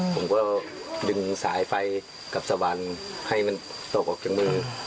ผมก็ดึงสายไฟกับสวรรค์ให้มันตกออกจากมือ